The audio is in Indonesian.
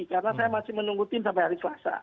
karena saya masih menunggu tim sampai hari selasa